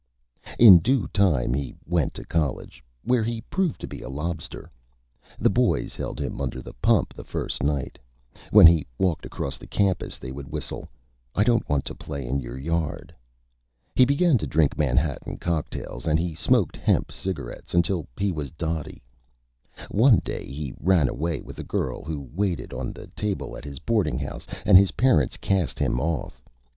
In Due Time he went to College, where he proved to be a Lobster. The Boys held him under the Pump the first Night. When he walked across the Campus, they would whistle, "I don't Want to Play in Your Yard." He began to drink Manhattan Cocktails, and he smoked Hemp Cigarettes until he was Dotty. One Day he ran away with a Girl who waited on the Table at his Boarding House, and his Parents Cast him Off.